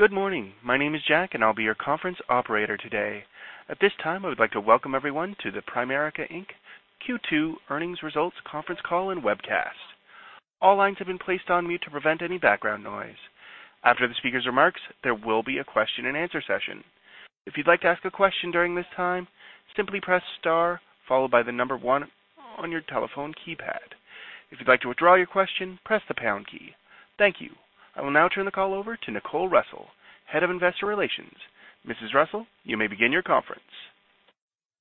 Good morning. My name is Jack, and I'll be your conference operator today. At this time, I would like to welcome everyone to the Primerica, Inc. Q2 earnings results conference call and webcast. All lines have been placed on mute to prevent any background noise. After the speaker's remarks, there will be a question and answer session. If you'd like to ask a question during this time, simply press star followed by the number 1 on your telephone keypad. If you'd like to withdraw your question, press the pound key. Thank you. I will now turn the call over to Nicole Russell, Head of Investor Relations. Mrs. Russell, you may begin your conference.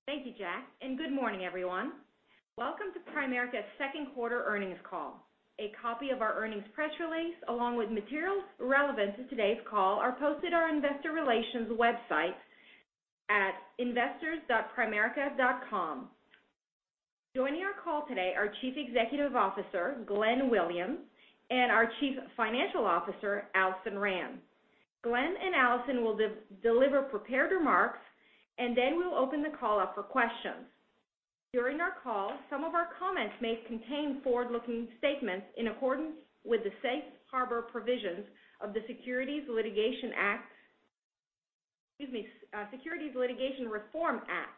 Thank you, Jack, and good morning, everyone. Welcome to Primerica's second quarter earnings call. A copy of our earnings press release, along with materials relevant to today's call, are posted on our investor relations website at investors.primerica.com. Joining our call today are Chief Executive Officer, Glenn Williams, and our Chief Financial Officer, Alison Rand. Glenn and Alison will deliver prepared remarks, and then we'll open the call up for questions. During our call, some of our comments may contain forward-looking statements in accordance with the safe harbor provisions of the Private Securities Litigation Reform Act.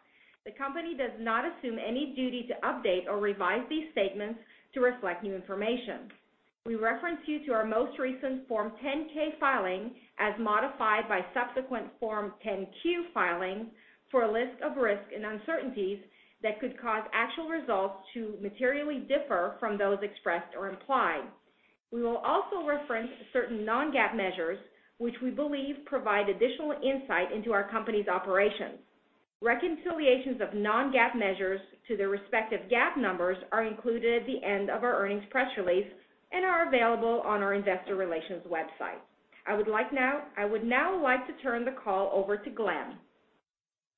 The company does not assume any duty to update or revise these statements to reflect new information. We reference you to our most recent Form 10-K filing as modified by subsequent Form 10-Q filings for a list of risks and uncertainties that could cause actual results to materially differ from those expressed or implied. We will also reference certain non-GAAP measures, which we believe provide additional insight into our company's operations. Reconciliations of non-GAAP measures to their respective GAAP numbers are included at the end of our earnings press release and are available on our investor relations website. I would now like to turn the call over to Glenn.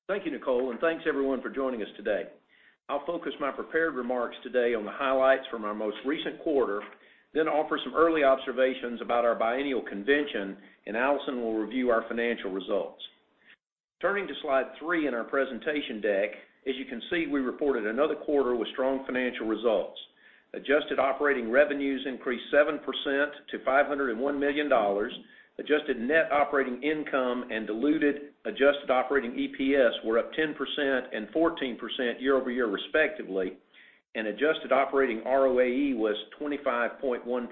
Thank you, Nicole, and thanks everyone for joining us today. I'll focus my prepared remarks today on the highlights from our most recent quarter, then offer some early observations about our biennial convention, and Alison will review our financial results. Turning to slide three in our presentation deck, as you can see, we reported another quarter with strong financial results. Adjusted operating revenues increased 7% to $501 million. Adjusted net operating income and diluted adjusted operating EPS were up 10% and 14% year-over-year, respectively, and adjusted operating ROAE was 25.1%.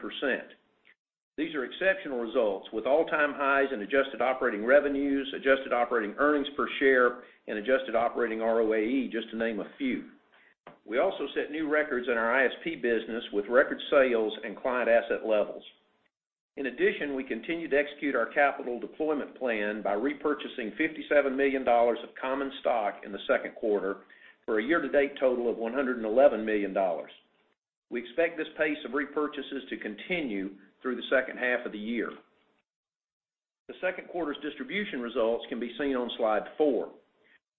These are exceptional results with all-time highs in adjusted operating revenues, adjusted operating earnings per share, and adjusted operating ROAE, just to name a few. We also set new records in our ISP business with record sales and client asset levels. In addition, we continue to execute our capital deployment plan by repurchasing $57 million of common stock in the second quarter for a year-to-date total of $111 million. We expect this pace of repurchases to continue through the second half of the year. The second quarter's distribution results can be seen on slide four.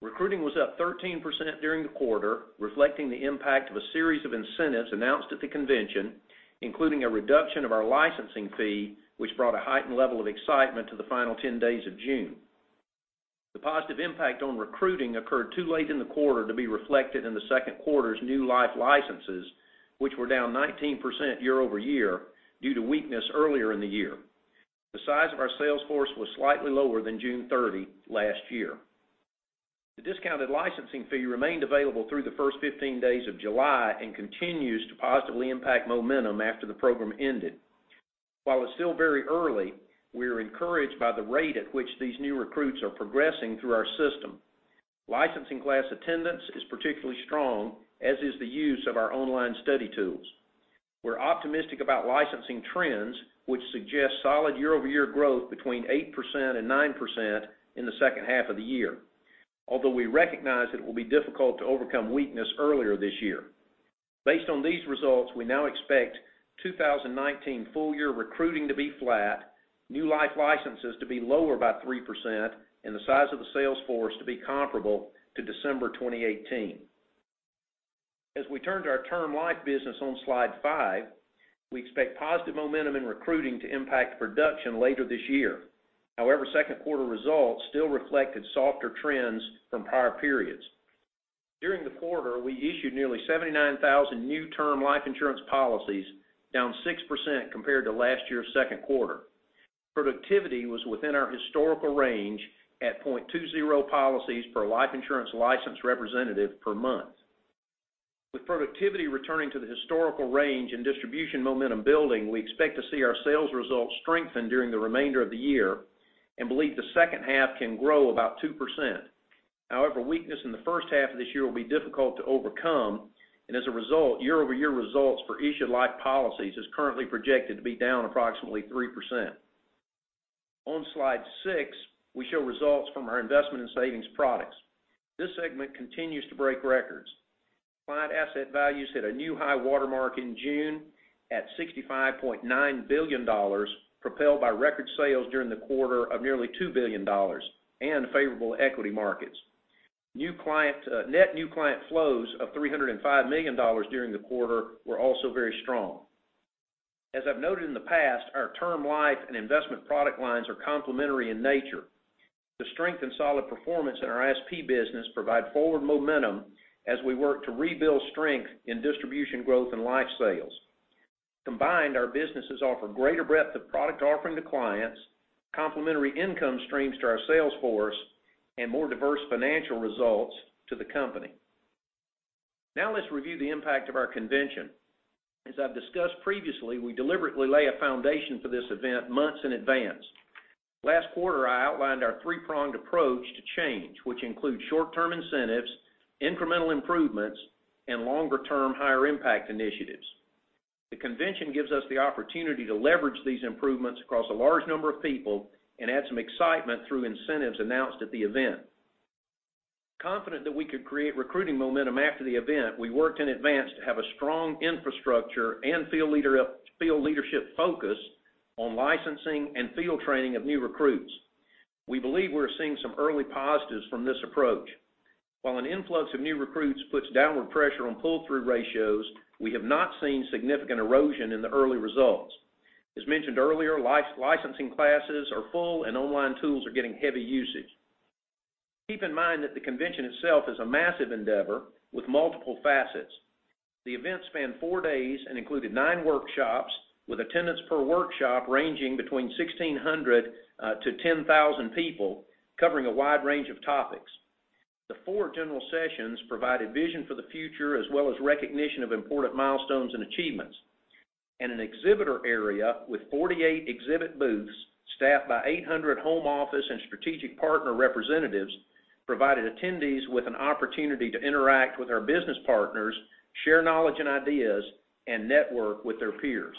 Recruiting was up 13% during the quarter, reflecting the impact of a series of incentives announced at the convention, including a reduction of our licensing fee, which brought a heightened level of excitement to the final 10 days of June. The positive impact on recruiting occurred too late in the quarter to be reflected in the second quarter's new life licenses, which were down 19% year-over-year due to weakness earlier in the year. The size of our sales force was slightly lower than June 30 last year. The discounted licensing fee remained available through the first 15 days of July and continues to positively impact momentum after the program ended. While it's still very early, we are encouraged by the rate at which these new recruits are progressing through our system. Licensing class attendance is particularly strong, as is the use of our online study tools. We're optimistic about licensing trends, which suggest solid year-over-year growth between 8% and 9% in the second half of the year. Although we recognize it will be difficult to overcome weakness earlier this year. Based on these results, we now expect 2019 full-year recruiting to be flat, new life licenses to be lower by 3%, and the size of the sales force to be comparable to December 2018. As we turn to our Term Life business on slide five, we expect positive momentum in recruiting to impact production later this year. Second quarter results still reflected softer trends from prior periods. During the quarter, we issued nearly 79,000 new Term Life insurance policies, down 6% compared to last year's second quarter. Productivity was within our historical range at 0.20 policies per life insurance licensed representative per month. With productivity returning to the historical range and distribution momentum building, we expect to see our sales results strengthen during the remainder of the year and believe the second half can grow about 2%. However, weakness in the first half of this year will be difficult to overcome, and as a result, year-over-year results for issued life policies is currently projected to be down approximately 3%. On slide six, we show results from our Investment and Savings Products. This segment continues to break records. Client asset values hit a new high watermark in June at $65.9 billion, propelled by record sales during the quarter of nearly $2 billion and favorable equity markets. Net new client flows of $305 million during the quarter were also very strong. As I've noted in the past, our Term Life and investment product lines are complementary in nature. The strength and solid performance in our ISP business provide forward momentum as we work to rebuild strength in distribution growth and life sales. Combined, our businesses offer greater breadth of product offering to clients, complementary income streams to our sales force, and more diverse financial results to the company. Let's review the impact of our convention. As I've discussed previously, we deliberately lay a foundation for this event months in advance. Last quarter, I outlined our three-pronged approach to change, which includes short-term incentives, incremental improvements, and longer-term higher impact initiatives. The convention gives us the opportunity to leverage these improvements across a large number of people and add some excitement through incentives announced at the event. Confident that we could create recruiting momentum after the event, we worked in advance to have a strong infrastructure and field leadership focus on licensing and field training of new recruits. We believe we're seeing some early positives from this approach. While an influx of new recruits puts downward pressure on pull-through ratios, we have not seen significant erosion in the early results. As mentioned earlier, licensing classes are full, and online tools are getting heavy usage. Keep in mind that the convention itself is a massive endeavor with multiple facets. The event spanned four days and included nine workshops, with attendance per workshop ranging between 1,600 to 10,000 people, covering a wide range of topics. The four general sessions provide a vision for the future as well as recognition of important milestones and achievements. An exhibitor area with 48 exhibit booths staffed by 800 home office and strategic partner representatives provided attendees with an opportunity to interact with our business partners, share knowledge and ideas, and network with their peers.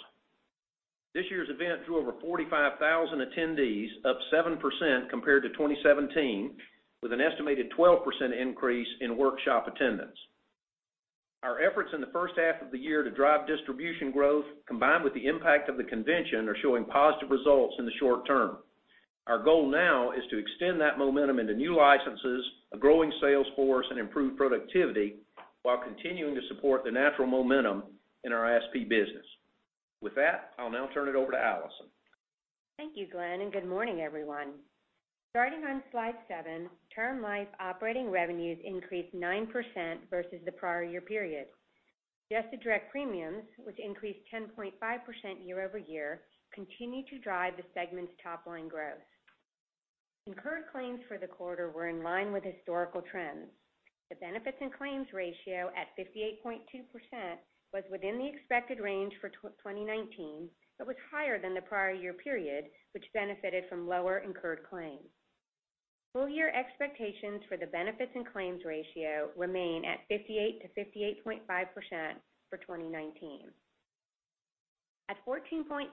This year's event drew over 45,000 attendees, up 7% compared to 2017, with an estimated 12% increase in workshop attendance. Our efforts in the first half of the year to drive distribution growth, combined with the impact of the convention, are showing positive results in the short term. Our goal now is to extend that momentum into new licenses, a growing sales force, and improved productivity while continuing to support the natural momentum in our ISP business. With that, I'll now turn it over to Alison. Thank you, Glenn, and good morning, everyone. Starting on slide seven, Term Life operating revenues increased 9% versus the prior year period. Adjusted direct premiums, which increased 10.5% year-over-year, continue to drive the segment's top-line growth. Incurred claims for the quarter were in line with historical trends. The benefits and claims ratio at 58.2% was within the expected range for 2019, but was higher than the prior year period, which benefited from lower incurred claims. Full year expectations for the benefits and claims ratio remain at 58%-58.5% for 2019. At 14.3%,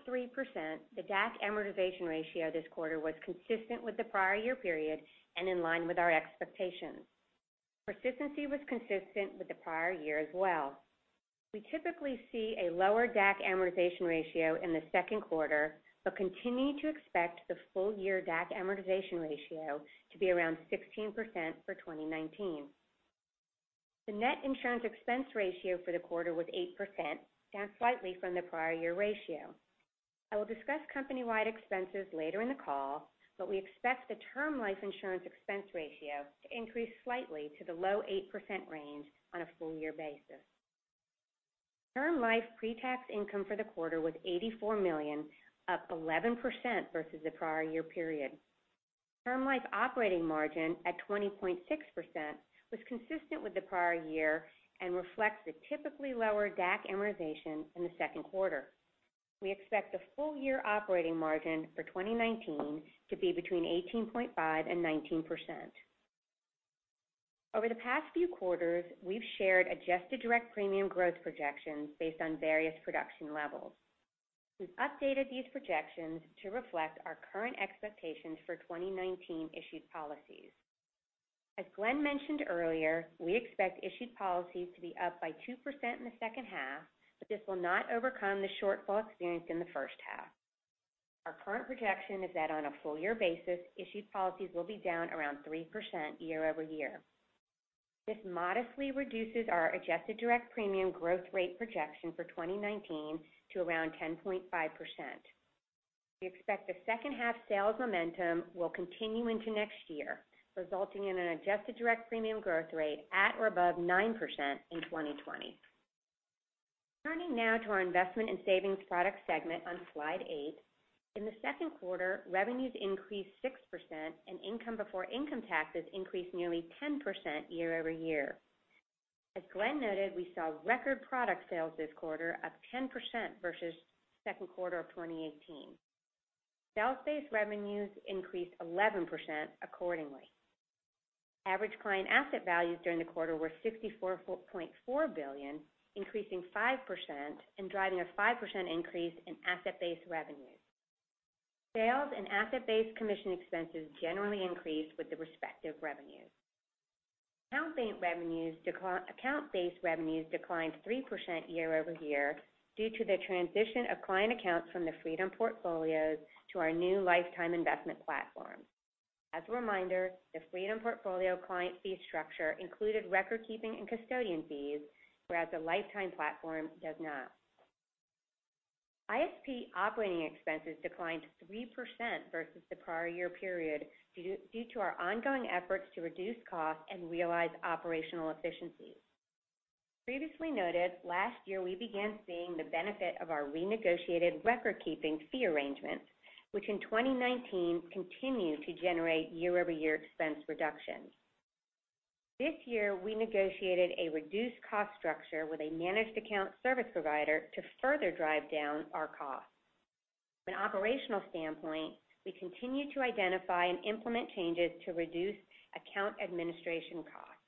the DAC amortization ratio this quarter was consistent with the prior year period and in line with our expectations. Persistency was consistent with the prior year as well. We typically see a lower DAC amortization ratio in the second quarter, but continue to expect the full year DAC amortization ratio to be around 16% for 2019. The net insurance expense ratio for the quarter was 8%, down slightly from the prior year ratio. I will discuss company-wide expenses later in the call, but we expect the Term Life insurance expense ratio to increase slightly to the low 8% range on a full year basis. Term Life pre-tax income for the quarter was $84 million, up 11% versus the prior year period. Term Life operating margin at 20.6% was consistent with the prior year and reflects the typically lower DAC amortization in the second quarter. We expect the full year operating margin for 2019 to be between 18.5% and 19%. Over the past few quarters, we've shared adjusted direct premium growth projections based on various production levels. We've updated these projections to reflect our current expectations for 2019 issued policies. As Glenn mentioned earlier, we expect issued policies to be up by 2% in the second half, but this will not overcome the shortfall experienced in the first half. Our current projection is that on a full year basis, issued policies will be down around 3% year-over-year. This modestly reduces our adjusted direct premium growth rate projection for 2019 to around 10.5%. We expect the second half sales momentum will continue into next year, resulting in an adjusted direct premium growth rate at or above 9% in 2020. Turning now to our Investment and Savings Products segment on slide eight. In the second quarter, revenues increased 6% and income before income taxes increased nearly 10% year-over-year. As Glenn noted, we saw record product sales this quarter of 10% versus second quarter of 2018. Sales-based revenues increased 11% accordingly. Average client asset values during the quarter were $64.4 billion, increasing 5% and driving a 5% increase in asset-based revenues. Sales and asset-based commission expenses generally increased with the respective revenues. Account-based revenues declined 3% year-over-year due to the transition of client accounts from the Freedom Portfolios to our new Lifetime Investment Program. As a reminder, the Freedom Portfolios client fee structure included record-keeping and custodian fees, whereas the Lifetime Investment Program does not. ISP operating expenses declined 3% versus the prior year period due to our ongoing efforts to reduce costs and realize operational efficiencies. As previously noted, last year, we began seeing the benefit of our renegotiated record-keeping fee arrangements, which in 2019 continued to generate year-over-year expense reductions. This year, we negotiated a reduced cost structure with a managed account service provider to further drive down our costs. From an operational standpoint, we continue to identify and implement changes to reduce account administration costs.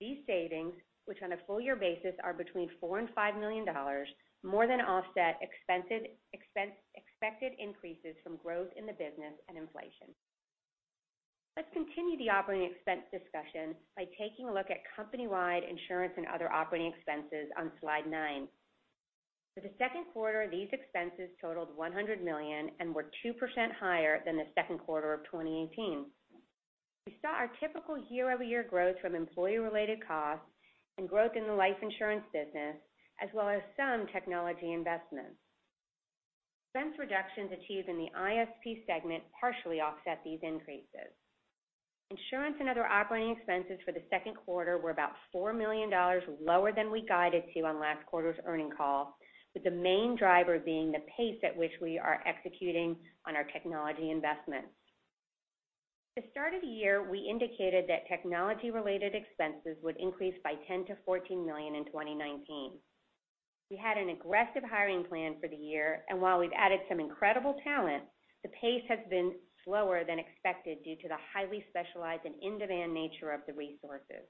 These savings, which on a full year basis are between $4 million and $5 million, more than offset expected increases from growth in the business and inflation. Let's continue the operating expense discussion by taking a look at company-wide insurance and other operating expenses on slide nine. For the second quarter, these expenses totaled $100 million and were 2% higher than the second quarter of 2018. We saw our typical year-over-year growth from employee-related costs and growth in the life insurance business, as well as some technology investments. Expense reductions achieved in the ISP segment partially offset these increases. Insurance and other operating expenses for the second quarter were about $4 million lower than we guided to on last quarter's earning call, with the main driver being the pace at which we are executing on our technology investments. At the start of the year, we indicated that technology-related expenses would increase by $10 million to $14 million in 2019. We had an aggressive hiring plan for the year, and while we've added some incredible talent, the pace has been slower than expected due to the highly specialized and in-demand nature of the resources.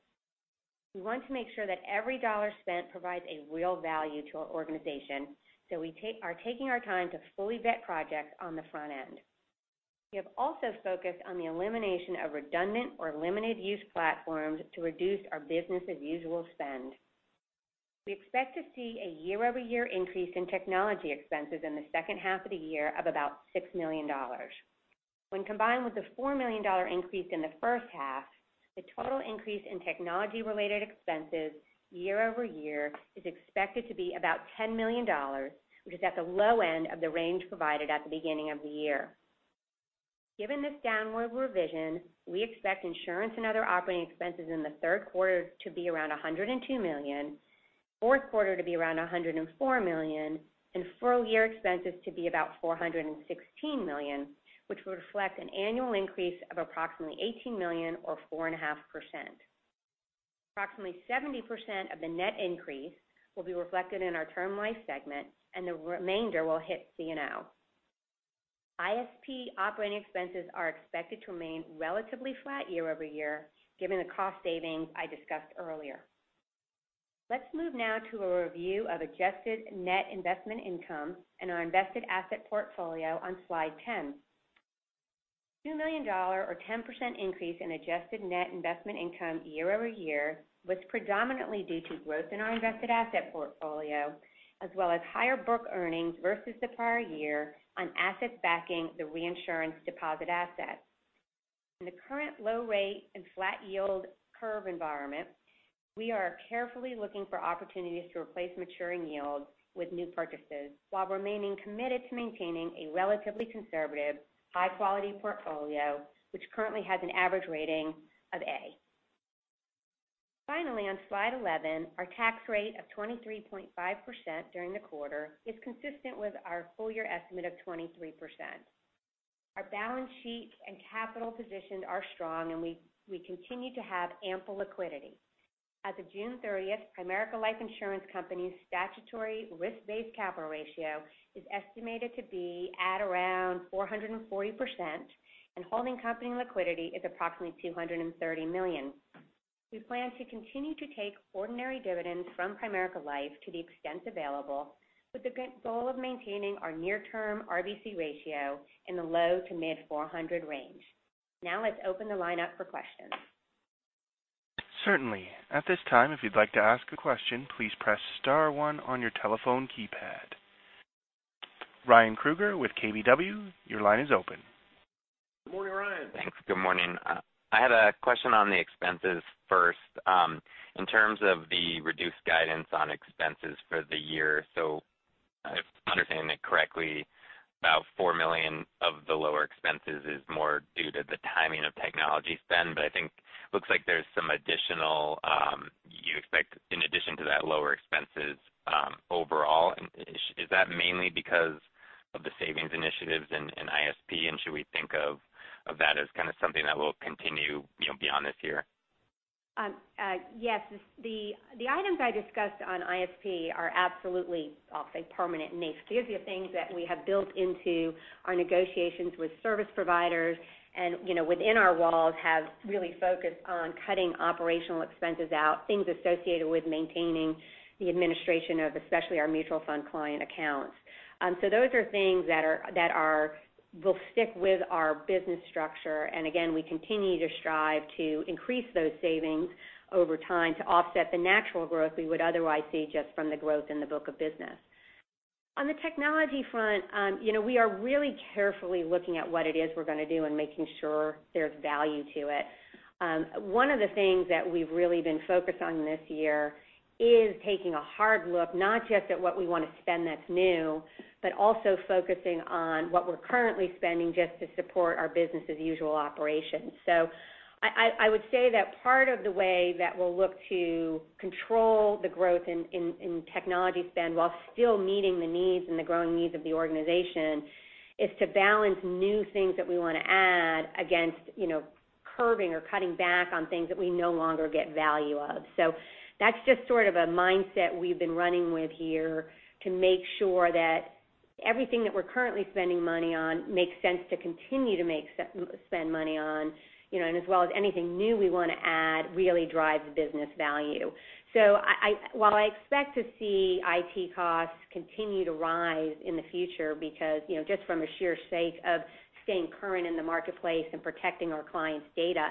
We want to make sure that every dollar spent provides a real value to our organization, so we are taking our time to fully vet projects on the front end. We have also focused on the elimination of redundant or limited use platforms to reduce our business as usual spend. We expect to see a year-over-year increase in technology expenses in the second half of the year of about $6 million. When combined with the $4 million increase in the first half, the total increase in technology-related expenses year-over-year is expected to be about $10 million, which is at the low end of the range provided at the beginning of the year. Given this downward revision, we expect insurance and other operating expenses in the third quarter to be around $102 million, fourth quarter to be around $104 million, and full-year expenses to be about $416 million, which would reflect an annual increase of approximately $18 million or 4.5%. Approximately 70% of the net increase will be reflected in our Term Life segment, and the remainder will hit C&O. ISP operating expenses are expected to remain relatively flat year-over-year, given the cost savings I discussed earlier. Let's move now to a review of adjusted net investment income in our invested asset portfolio on slide 10. $2 million or 10% increase in adjusted net investment income year-over-year was predominantly due to growth in our invested asset portfolio as well as higher book earnings versus the prior year on assets backing the reinsurance deposit asset. In the current low rate and flat yield curve environment, we are carefully looking for opportunities to replace maturing yields with new purchases while remaining committed to maintaining a relatively conservative, high-quality portfolio, which currently has an average rating of A. Finally, on slide 11, our tax rate of 23.5% during the quarter is consistent with our full-year estimate of 23%. Our balance sheet and capital position are strong, and we continue to have ample liquidity. As of June 30th, Primerica Life Insurance Company's statutory risk-based capital ratio is estimated to be at around 440%, and holding company liquidity is approximately $230 million. We plan to continue to take ordinary dividends from Primerica Life to the extent available, with the goal of maintaining our near-term RBC ratio in the low to mid 400 range. Let's open the line up for questions. Certainly. At this time, if you'd like to ask a question, please press *1 on your telephone keypad. Ryan Krueger with KBW, your line is open. Good morning, Ryan. Thanks. Good morning. I had a question on the expenses first. If I'm understanding it correctly, about $4 million of the lower expenses is more due to the timing of technology spend. I think, looks like there's some additional you expect in addition to that lower expenses overall. Is that mainly because of the savings initiatives in ISP? Should we think of that as kind of something that will continue beyond this year? Yes. The items I discussed on ISP are absolutely, I'll say, permanent in nature. These are things that we have built into our negotiations with service providers and within our walls have really focused on cutting operational expenses out, things associated with maintaining the administration of especially our mutual fund client accounts. Those are things that will stick with our business structure. Again, we continue to strive to increase those savings over time to offset the natural growth we would otherwise see just from the growth in the book of business. On the technology front, we are really carefully looking at what it is we're going to do and making sure there's value to it. One of the things that we've really been focused on this year is taking a hard look, not just at what we want to spend that's new, but also focusing on what we're currently spending just to support our business as usual operations. I would say that part of the way that we'll look to control the growth in technology spend while still meeting the needs and the growing needs of the organization is to balance new things that we want to add against curving or cutting back on things that we no longer get value of. That's just sort of a mindset we've been running with here to make sure that everything that we're currently spending money on makes sense to continue to spend money on, and as well as anything new we want to add really drives business value. While I expect to see IT costs continue to rise in the future, because just from a sheer sake of staying current in the marketplace and protecting our clients' data,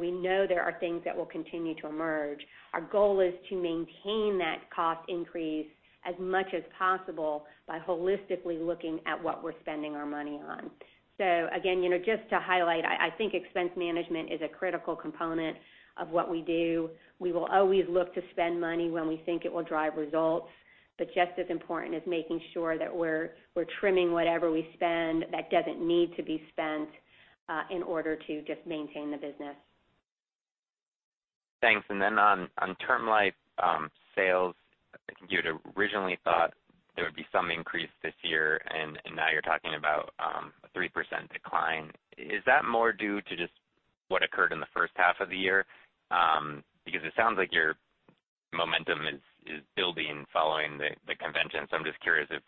we know there are things that will continue to emerge. Our goal is to maintain that cost increase as much as possible by holistically looking at what we're spending our money on. Again, just to highlight, I think expense management is a critical component of what we do. We will always look to spend money when we think it will drive results, but just as important is making sure that we're trimming whatever we spend that doesn't need to be spent, in order to just maintain the business. Thanks. On Term Life sales, I think you had originally thought there would be some increase this year, and now you're talking about a 3% decline. Is that more due to just what occurred in the first half of the year? Because it sounds like your momentum is building following the convention. I'm just curious if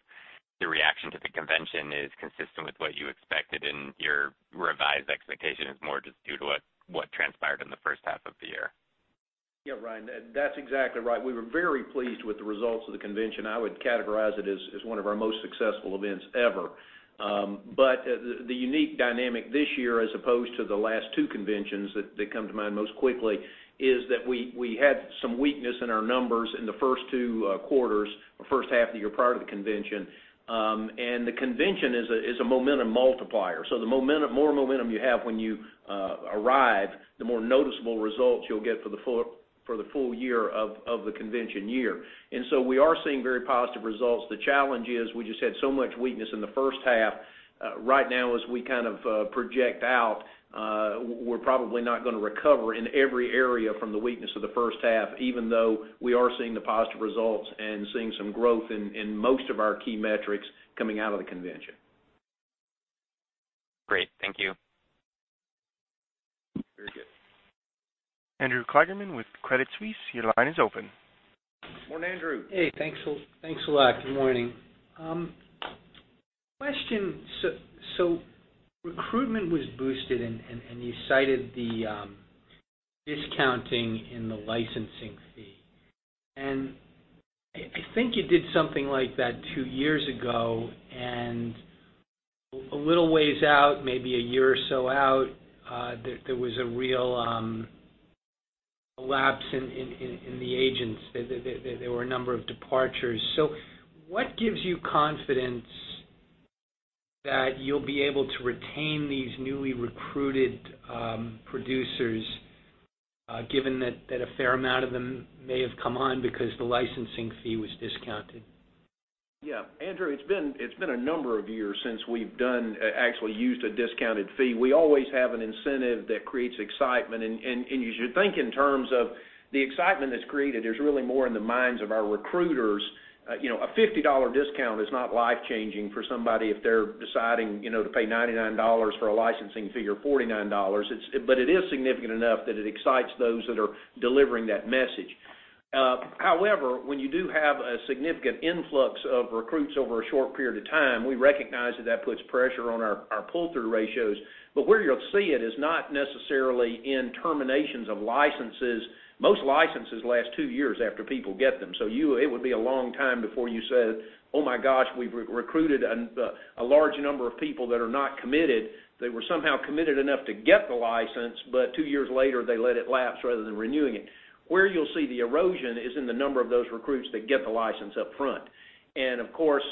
the reaction to the convention is consistent with what you expected in your revised expectation is more just due to what transpired in the first half of the year. Yeah, Ryan, that's exactly right. We were very pleased with the results of the convention. I would categorize it as one of our most successful events ever. The unique dynamic this year, as opposed to the last two conventions that come to mind most quickly, is that we had some weakness in our numbers in the first two quarters or first half of the year prior to the convention. The convention is a momentum multiplier. The more momentum you have when you arrive, the more noticeable results you'll get for the full year of the convention year. We are seeing very positive results. The challenge is we just had so much weakness in the first half. Right now as we kind of project out, we're probably not going to recover in every area from the weakness of the first half, even though we are seeing the positive results and seeing some growth in most of our key metrics coming out of the convention. Great. Thank you. Very good. Andrew Kligerman with Credit Suisse, your line is open. Morning, Andrew. Hey, thanks a lot. Good morning. Question, recruitment was boosted, and you cited the discounting in the licensing fee. I think you did something like that two years ago and a little ways out, maybe a year or so out, there was a real lapse in the agents. There were a number of departures. What gives you confidence that you'll be able to retain these newly recruited producers, given that a fair amount of them may have come on because the licensing fee was discounted? Yeah. Andrew, it's been a number of years since we've actually used a discounted fee. We always have an incentive that creates excitement, and you should think in terms of the excitement that's created is really more in the minds of our recruiters. A $50 discount is not life-changing for somebody if they're deciding to pay $99 for a licensing fee or $49. It is significant enough that it excites those that are delivering that message. However, when you do have a significant influx of recruits over a short period of time, we recognize that puts pressure on our pull-through ratios. Where you'll see it is not necessarily in terminations of licenses. Most licenses last two years after people get them. It would be a long time before you said, "Oh my gosh, we've recruited a large number of people that are not committed." They were somehow committed enough to get the license, but two years later, they let it lapse rather than renewing it. Where you'll see the erosion is in the number of those recruits that get the license upfront. Of course,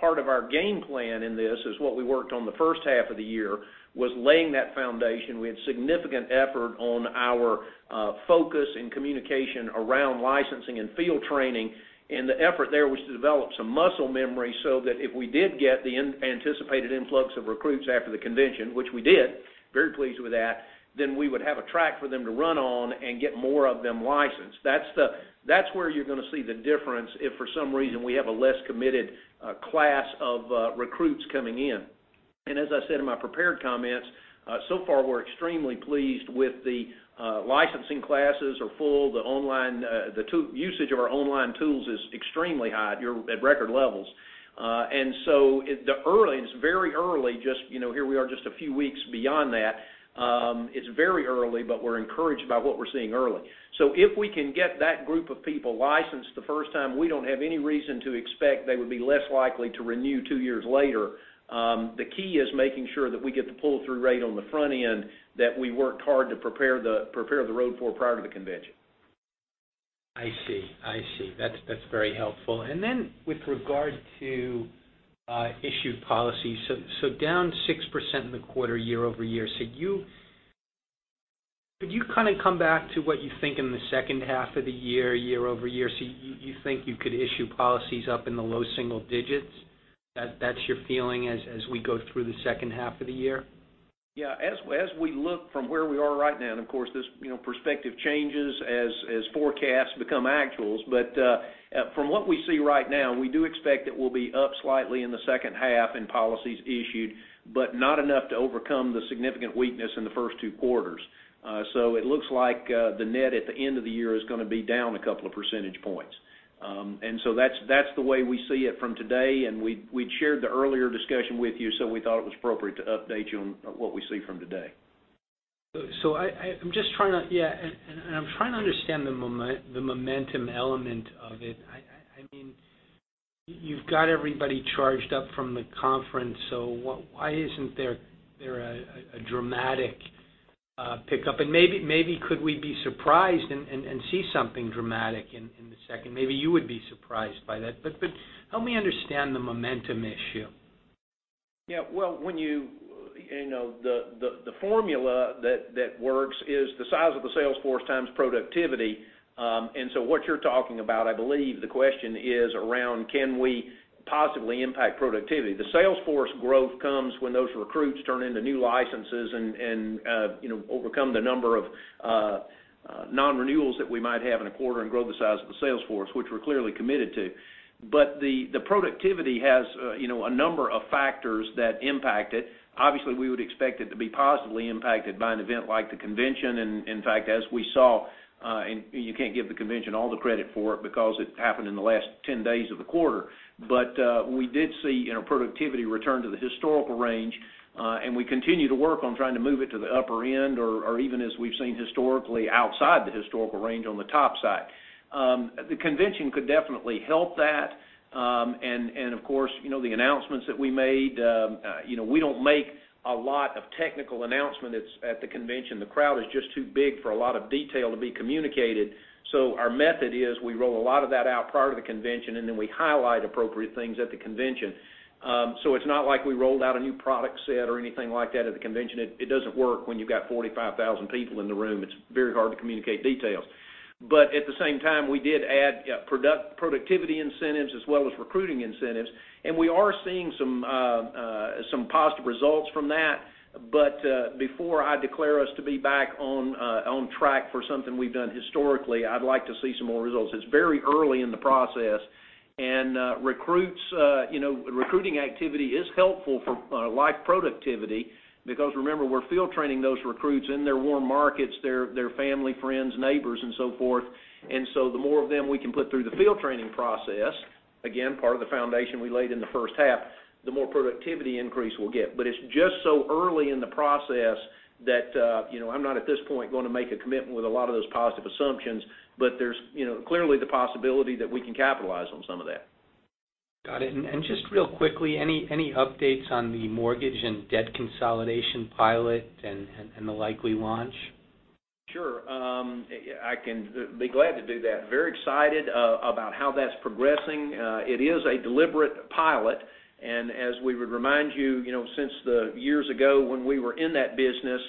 part of our game plan in this is what we worked on the first half of the year was laying that foundation. We had significant effort on our focus and communication around licensing and field training, and the effort there was to develop some muscle memory so that if we did get the anticipated influx of recruits after the convention, which we did, very pleased with that, then we would have a track for them to run on and get more of them licensed. That's where you're going to see the difference if for some reason we have a less committed class of recruits coming in. As I said in my prepared comments, so far we're extremely pleased with the licensing classes are full. The usage of our online tools is extremely high at record levels. It's very early, here we are just a few weeks beyond that. It's very early, but we're encouraged by what we're seeing early. If we can get that group of people licensed the first time, we don't have any reason to expect they would be less likely to renew two years later. The key is making sure that we get the pull-through rate on the front end that we worked hard to prepare the road for prior to the convention. I see. That's very helpful. With regard to issued policies, down 6% in the quarter year-over-year. Could you come back to what you think in the second half of the year-over-year? You think you could issue policies up in the low single digits? That's your feeling as we go through the second half of the year? Yeah. As we look from where we are right now, of course, this perspective changes as forecasts become actuals, from what we see right now, we do expect that we'll be up slightly in the second half in policies issued, not enough to overcome the significant weakness in the first two quarters. It looks like the net at the end of the year is going to be down a couple of percentage points. That's the way we see it from today, and we'd shared the earlier discussion with you, we thought it was appropriate to update you on what we see from today. I'm trying to understand the momentum element of it. You've got everybody charged up from the conference, why isn't there a dramatic pickup? Maybe could we be surprised and see something dramatic? Maybe you would be surprised by that, but help me understand the momentum issue. Yeah. Well, the formula that works is the size of the sales force times productivity. So what you're talking about, I believe the question is around can we possibly impact productivity? The sales force growth comes when those recruits turn into new licenses and overcome the number of non-renewals that we might have in a quarter and grow the size of the sales force, which we're clearly committed to. The productivity has a number of factors that impact it. Obviously, we would expect it to be positively impacted by an event like the convention. In fact, as we saw, and you can't give the convention all the credit for it because it happened in the last 10 days of the quarter. We did see productivity return to the historical range, and we continue to work on trying to move it to the upper end or even as we've seen historically outside the historical range on the top side. The convention could definitely help that, and of course, the announcements that we made. We don't make a lot of technical announcements at the convention. The crowd is just too big for a lot of detail to be communicated. Our method is we roll a lot of that out prior to the convention, and then we highlight appropriate things at the convention. It's not like we rolled out a new product set or anything like that at the convention. It doesn't work when you've got 45,000 people in the room. It's very hard to communicate details. At the same time, we did add productivity incentives as well as recruiting incentives, and we are seeing some positive results from that. Before I declare us to be back on track for something we've done historically, I'd like to see some more results. It's very early in the process, and recruiting activity is helpful for life productivity because remember, we're field training those recruits in their warm markets, their family, friends, neighbors, and so forth. The more of them we can put through the field training process, again, part of the foundation we laid in the first half, the more productivity increase we'll get. It's just so early in the process that I'm not at this point going to make a commitment with a lot of those positive assumptions, but there's clearly the possibility that we can capitalize on some of that. Got it. Just real quickly, any updates on the mortgage and debt consolidation pilot and the likely launch? Sure. I can be glad to do that. Very excited about how that's progressing. It is a deliberate pilot, as we would remind you, since the years ago when we were in that business,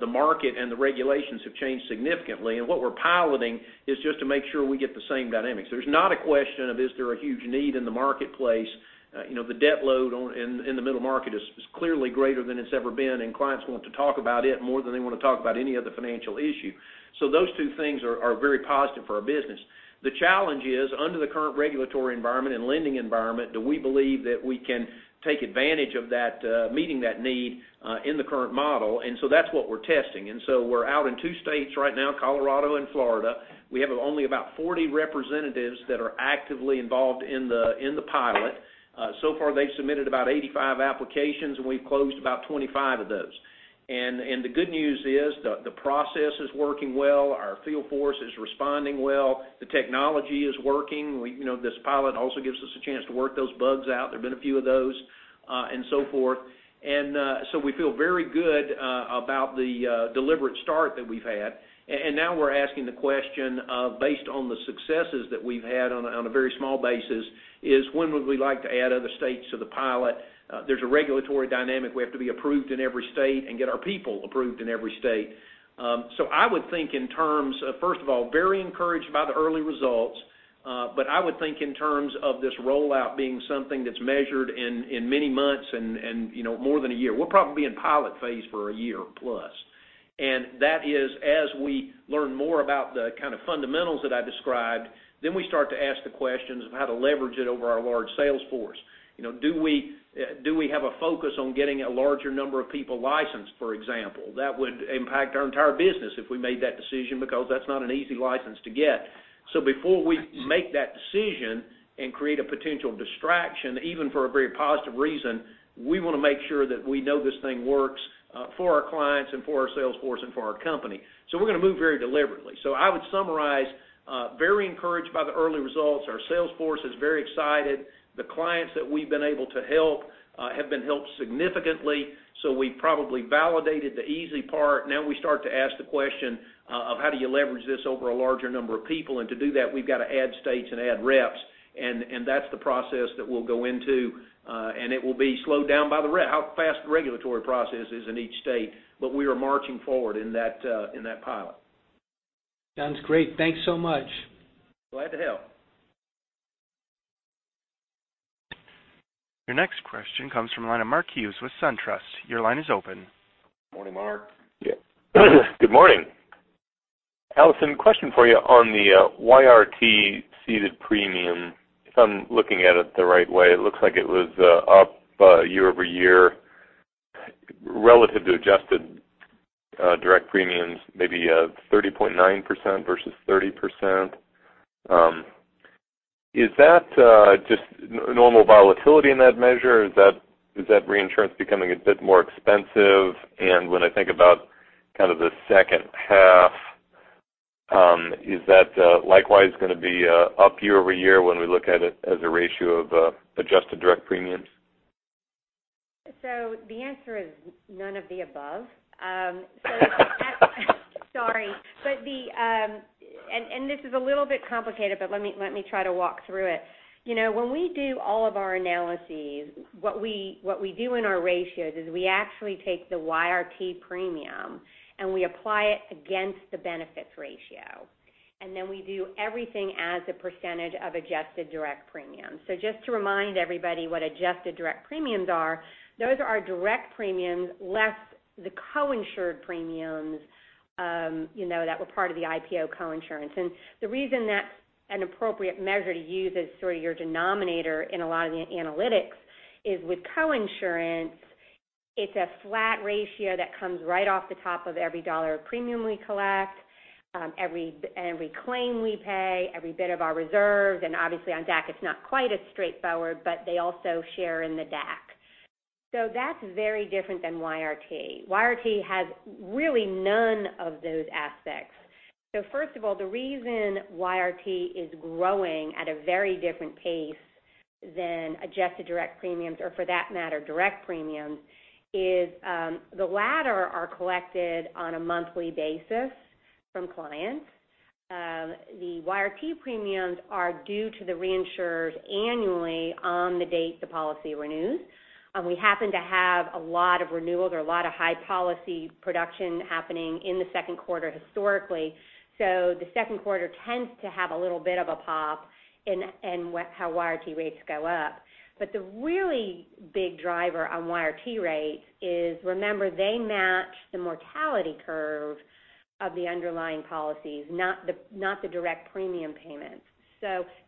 the market and the regulations have changed significantly. What we're piloting is just to make sure we get the same dynamics. There's not a question of, is there a huge need in the marketplace? The debt load in the middle market is clearly greater than it's ever been, and clients want to talk about it more than they want to talk about any other financial issue. Those two things are very positive for our business. The challenge is, under the current regulatory environment and lending environment, do we believe that we can take advantage of meeting that need in the current model? That's what we're testing. We're out in 2 states right now, Colorado and Florida. We have only about 40 representatives that are actively involved in the pilot. So far, they've submitted about 85 applications, and we've closed about 25 of those. The good news is the process is working well. Our field force is responding well. The technology is working. This pilot also gives us a chance to work those bugs out. There have been a few of those, and so forth. We feel very good about the deliberate start that we've had. Now we're asking the question of based on the successes that we've had on a very small basis is when would we like to add other states to the pilot? There's a regulatory dynamic. We have to be approved in every state and get our people approved in every state. I would think in terms of, first of all, very encouraged by the early results. I would think in terms of this rollout being something that's measured in many months and more than a year. We'll probably be in pilot phase for a year plus. That is as we learn more about the kind of fundamentals that I described, then we start to ask the questions of how to leverage it over our large sales force. Do we have a focus on getting a larger number of people licensed, for example? That would impact our entire business if we made that decision because that's not an easy license to get. Before we make that decision and create a potential distraction, even for a very positive reason, we want to make sure that we know this thing works for our clients and for our sales force and for our company. We're going to move very deliberately. I would summarize, very encouraged by the early results. Our sales force is very excited. The clients that we've been able to help have been helped significantly. We probably validated the easy part. Now we start to ask the question of how do you leverage this over a larger number of people, and to do that, we've got to add states and add reps, and that's the process that we'll go into. It will be slowed down by how fast the regulatory process is in each state, but we are marching forward in that pilot. Sounds great. Thanks so much. Glad to help. Your next question comes from the line of Mark Hughes with SunTrust. Your line is open. Morning, Mark. Yeah. Good morning. Alison, question for you on the YRT ceded premium. If I'm looking at it the right way, it looks like it was up year-over-year relative to adjusted direct premiums, maybe 30.9% versus 30%. Is that just normal volatility in that measure? Is that reinsurance becoming a bit more expensive? When I think about kind of the second half, is that likewise going to be up year-over-year when we look at it as a ratio of adjusted direct premiums? The answer is none of the above. Sorry. This is a little bit complicated, but let me try to walk through it. When we do all of our analyses, what we do in our ratios is we actually take the YRT premium and we apply it against the benefits ratio. Then we do everything as a % of adjusted direct premiums. Just to remind everybody what adjusted direct premiums are, those are our direct premiums less the co-insured premiums that were part of the IPO coinsurance. The reason that's an appropriate measure to use as sort of your denominator in a lot of the analytics is with coinsurance, it's a flat ratio that comes right off the top of every dollar of premium we collect, every claim we pay, every bit of our reserve, and obviously on DAC it's not quite as straightforward, but they also share in the DAC. That's very different than YRT. YRT has really none of those aspects. First of all, the reason YRT is growing at a very different pace than adjusted direct premiums, or for that matter, direct premiums, is the latter are collected on a monthly basis from clients. The YRT premiums are due to the reinsurers annually on the date the policy renews. We happen to have a lot of renewals or a lot of high policy production happening in the second quarter historically. The second quarter tends to have a little bit of a pop in how YRT rates go up. The really big driver on YRT rates is, remember, they match the mortality curve of the underlying policies, not the direct premium payments.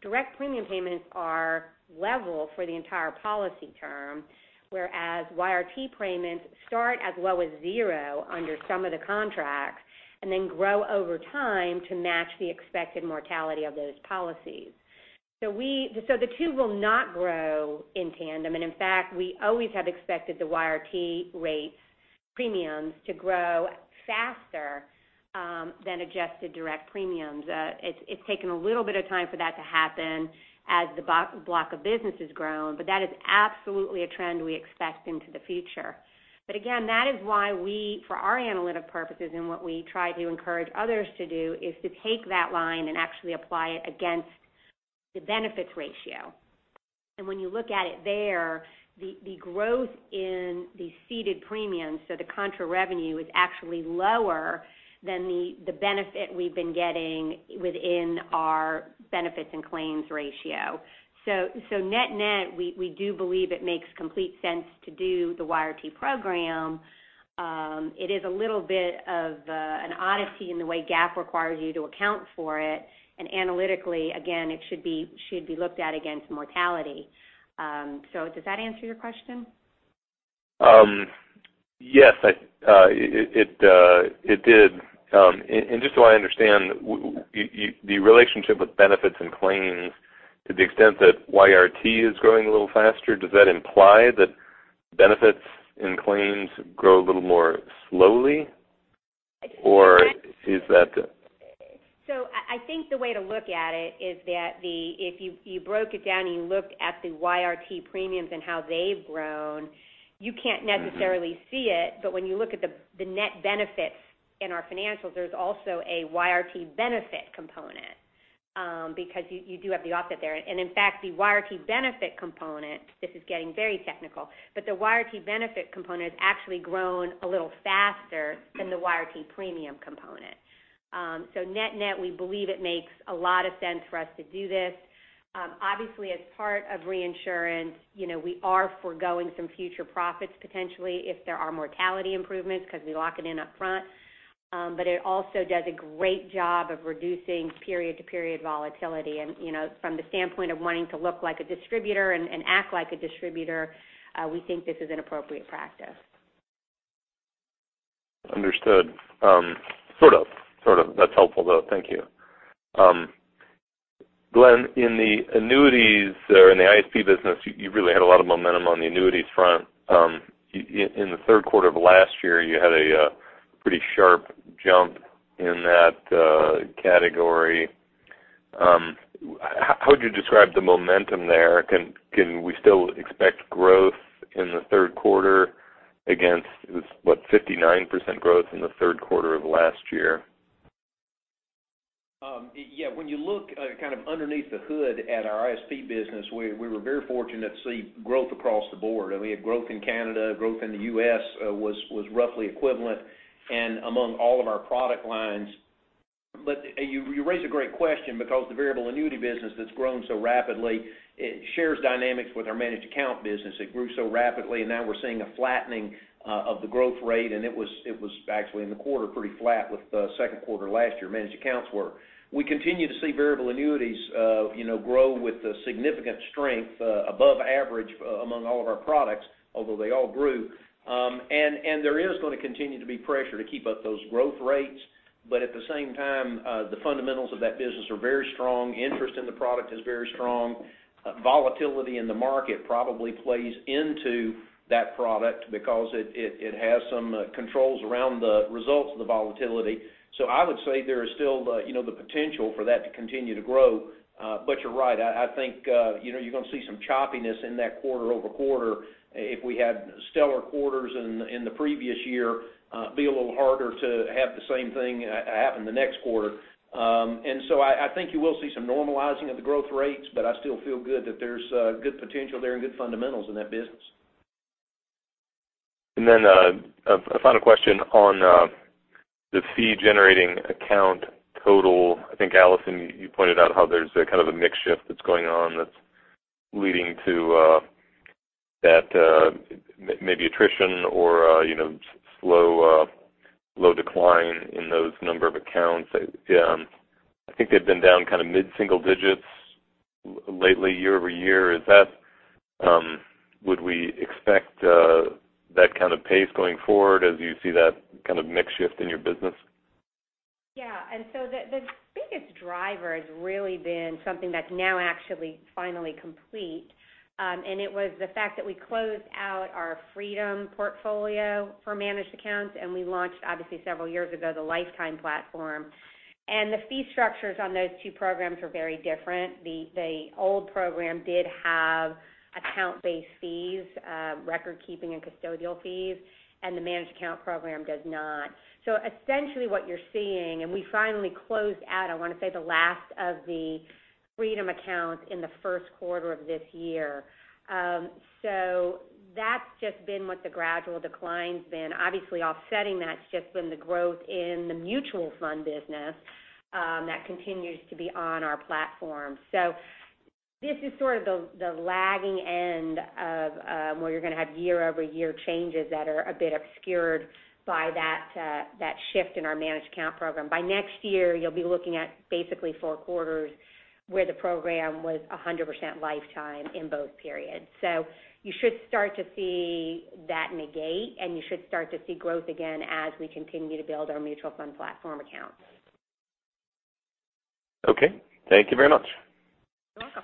Direct premium payments are level for the entire policy term, whereas YRT payments start as low as zero under some of the contracts and then grow over time to match the expected mortality of those policies. The two will not grow in tandem, and in fact, we always have expected the YRT rates premiums to grow faster than adjusted direct premiums. It's taken a little bit of time for that to happen as the block of business has grown, but that is absolutely a trend we expect into the future. That is why we, for our analytic purposes and what we try to encourage others to do, is to take that line and actually apply it against the benefits ratio. When you look at it there, the growth in the ceded premiums, so the contra revenue, is actually lower than the benefit we've been getting within our benefits and claims ratio. Net-net, we do believe it makes complete sense to do the YRT program. It is a little bit of an oddity in the way GAAP requires you to account for it. Analytically, again, it should be looked at against mortality. Does that answer your question? Yes, it did. Just so I understand, the relationship with benefits and claims, to the extent that YRT is growing a little faster, does that imply that benefits and claims grow a little more slowly? I think the way to look at it is that if you broke it down and you looked at the YRT premiums and how they've grown, you can't necessarily see it. When you look at the net benefits in our financials, there's also a YRT benefit component because you do have the offset there. In fact, the YRT benefit component, this is getting very technical, but the YRT benefit component has actually grown a little faster than the YRT premium component. Net-net, we believe it makes a lot of sense for us to do this. Obviously, as part of reinsurance we are foregoing some future profits potentially if there are mortality improvements because we lock it in up front. It also does a great job of reducing period-to-period volatility. From the standpoint of wanting to look like a distributor and act like a distributor, we think this is an appropriate practice. Understood. Sort of. That's helpful, though. Thank you. Glenn, in the annuities or in the ISP business, you really had a lot of momentum on the annuities front. In the third quarter of last year, you had a pretty sharp jump in that category. How would you describe the momentum there? Can we still expect growth in the third quarter against, what, 59% growth in the third quarter of last year? Yeah. When you look underneath the hood at our ISP business, we were very fortunate to see growth across the board. We had growth in Canada, growth in the U.S. was roughly equivalent, and among all of our product lines. You raise a great question because the variable annuity business that's grown so rapidly, it shares dynamics with our managed account business. It grew so rapidly, and now we're seeing a flattening of the growth rate, and it was actually in the quarter pretty flat with the second quarter last year, managed accounts were. We continue to see variable annuities grow with a significant strength above average among all of our products, although they all grew. There is going to continue to be pressure to keep up those growth rates. At the same time, the fundamentals of that business are very strong. Interest in the product is very strong. Volatility in the market probably plays into that product because it has some controls around the results of the volatility. I would say there is still the potential for that to continue to grow. You're right. I think you're going to see some choppiness in that quarter-over-quarter. If we had stellar quarters in the previous year, be a little harder to have the same thing happen the next quarter. I think you will see some normalizing of the growth rates, I still feel good that there's good potential there and good fundamentals in that business. A final question on the fee-generating account total. I think, Alison, you pointed out how there's a mix shift that's going on that's leading to that maybe attrition or slow decline in those number of accounts. I think they've been down mid-single digits lately year-over-year. Would we expect that kind of pace going forward as you see that kind of mix shift in your business? Yeah. The biggest driver has really been something that's now actually finally complete. It was the fact that we closed out our Freedom Portfolios for managed accounts, and we launched, obviously several years ago, the Lifetime platform. The fee structures on those two programs are very different. The old program did have account-based fees, record-keeping and custodial fees, and the managed account program does not. Essentially what you're seeing, and we finally closed out, I want to say, the last of the Freedom accounts in the first quarter of this year. That's just been what the gradual decline's been. Obviously, offsetting that's just been the growth in the mutual fund business that continues to be on our platform. This is sort of the lagging end of where you're going to have year-over-year changes that are a bit obscured by that shift in our managed account program. By next year, you'll be looking at basically four quarters where the program was 100% Lifetime in both periods. You should start to see that negate, and you should start to see growth again as we continue to build our mutual fund platform accounts. Okay. Thank you very much. You're welcome.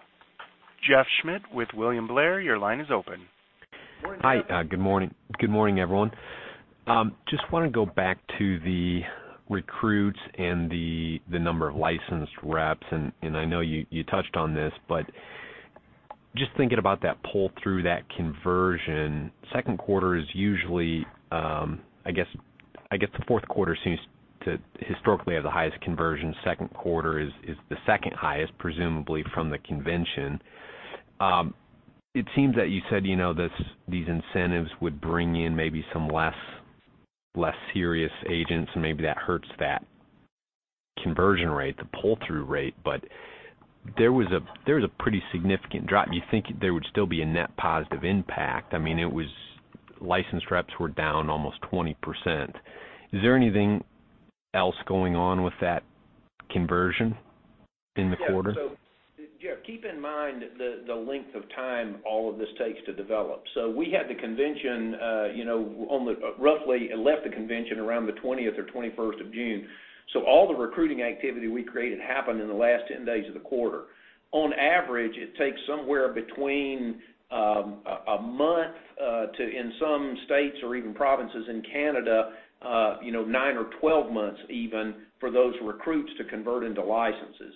Jeff Schmitt with William Blair, your line is open. Hi. Good morning, everyone. Want to go back to the recruits and the number of licensed reps. I know you touched on this, thinking about that pull through that conversion, second quarter is usually, I guess the fourth quarter seems to historically have the highest conversion. Second quarter is the second highest, presumably from the convention. It seems that you said these incentives would bring in maybe some less serious agents, and maybe that hurts that conversion rate, the pull-through rate. There was a pretty significant drop. You think there would still be a net positive impact? I mean, licensed reps were down almost 20%. Is there anything else going on with that conversion in the quarter? Yeah. Jeff, keep in mind the length of time all of this takes to develop. We had the convention, roughly left the convention around the 20th or 21st of June. All the recruiting activity we created happened in the last 10 days of the quarter. On average, it takes somewhere between a month to, in some states or even provinces in Canada, nine or 12 months even for those recruits to convert into licenses.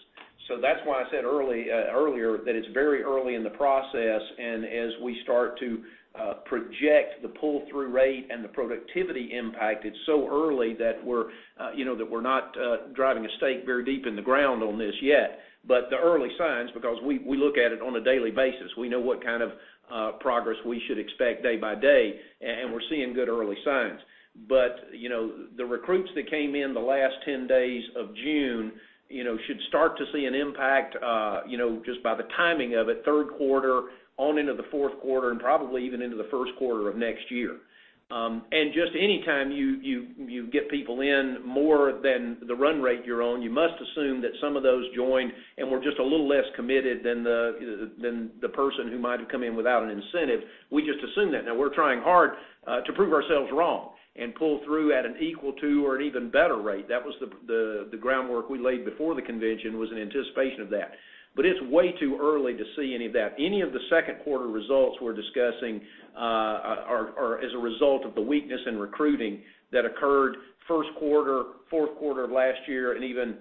That's why I said earlier that it's very early in the process, and as we start to project the pull-through rate and the productivity impact, it's so early that we're not driving a stake very deep in the ground on this yet. The early signs, because we look at it on a daily basis, we know what kind of progress we should expect day by day, and we're seeing good early signs. The recruits that came in the last 10 days of June should start to see an impact, just by the timing of it, third quarter on into the fourth quarter and probably even into the first quarter of next year. Just any time you get people in more than the run rate you're on, you must assume that some of those joined and were just a little less committed than the person who might have come in without an incentive. We just assume that. Now, we're trying hard to prove ourselves wrong and pull through at an equal to or an even better rate. That was the groundwork we laid before the convention was in anticipation of that. It's way too early to see any of that. Any of the second quarter results we're discussing are as a result of the weakness in recruiting that occurred first quarter, fourth quarter of last year, and even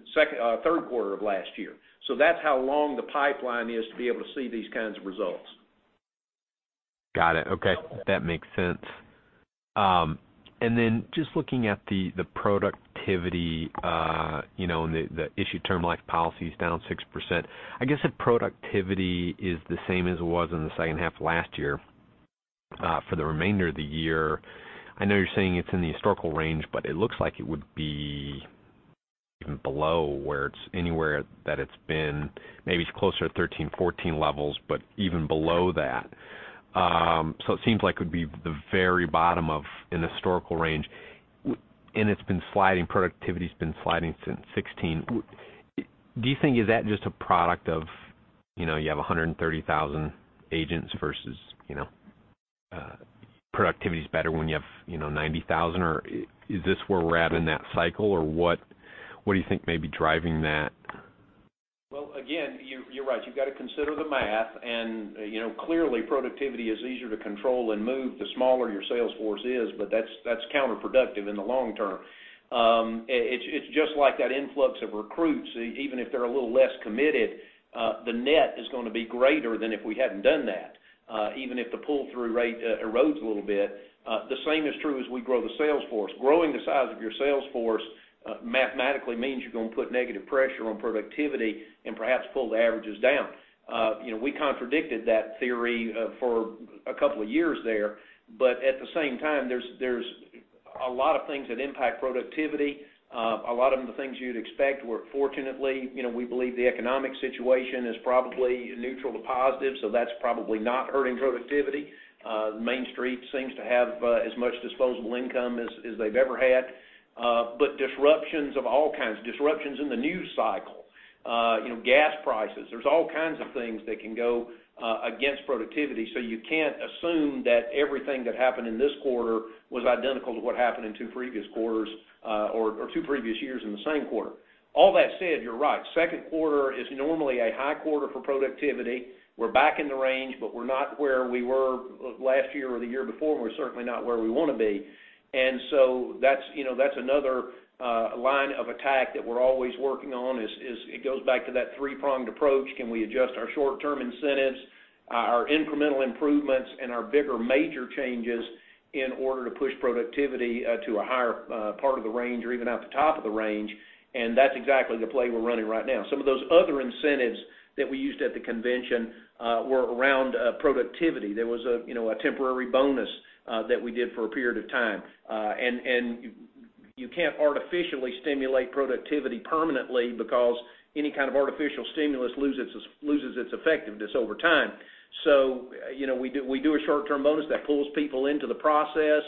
third quarter of last year. That's how long the pipeline is to be able to see these kinds of results. Got it. Okay. That makes sense. Just looking at the productivity, the issued Term Life policy is down 6%. I guess if productivity is the same as it was in the second half of last year, for the remainder of the year, I know you're saying it's in the historical range, but it looks like it would be even below where it's anywhere that it's been. Maybe it's closer to 2013, 2014 levels, but even below that. It seems like it would be the very bottom of an historical range, and it's been sliding, productivity's been sliding since 2016. Do you think, is that just a product of you have 130,000 agents versus productivity is better when you have 90,000? Or is this where we're at in that cycle, or what do you think may be driving that? Well, again, you're right. You've got to consider the math and clearly productivity is easier to control and move the smaller your sales force is, but that's counterproductive in the long term. It's just like that influx of recruits, even if they're a little less committed, the net is going to be greater than if we hadn't done that. Even if the pull-through rate erodes a little bit. The same is true as we grow the sales force. Growing the size of your sales force, mathematically means you're going to put negative pressure on productivity and perhaps pull the averages down. We contradicted that theory for a couple of years there, but at the same time, there's a lot of things that impact productivity. A lot of them are things you'd expect, where fortunately, we believe the economic situation is probably neutral to positive, so that's probably not hurting productivity. Main Street seems to have as much disposable income as they've ever had. Disruptions of all kinds, disruptions in the news cycle, gas prices, there's all kinds of things that can go against productivity. You can't assume that everything that happened in this quarter was identical to what happened in two previous quarters or two previous years in the same quarter. All that said, you're right, second quarter is normally a high quarter for productivity. We're back in the range, but we're not where we were last year or the year before, and we're certainly not where we want to be. That's another line of attack that we're always working on is, it goes back to that three-pronged approach. Can we adjust our short-term incentives, our incremental improvements, and our bigger major changes in order to push productivity to a higher part of the range or even at the top of the range. That's exactly the play we're running right now. Some of those other incentives that we used at the convention were around productivity. There was a temporary bonus that we did for a period of time. You can't artificially stimulate productivity permanently because any kind of artificial stimulus loses its effectiveness over time. We do a short-term bonus that pulls people into the process.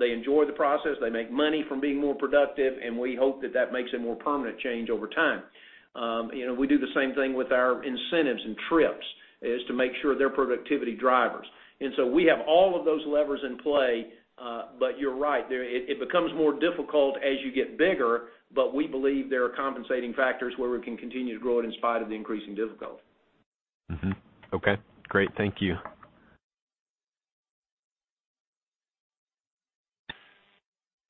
They enjoy the process. They make money from being more productive, and we hope that that makes a more permanent change over time. We do the same thing with our incentives and trips, is to make sure they're productivity drivers. We have all of those levers in play. You're right. It becomes more difficult as you get bigger, but we believe there are compensating factors where we can continue to grow it in spite of the increasing difficulty. Okay, great. Thank you.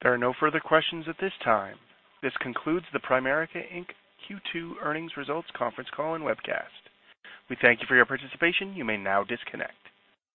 There are no further questions at this time. This concludes the Primerica, Inc. Q2 Earnings Results Conference Call and Webcast. We thank you for your participation. You may now disconnect.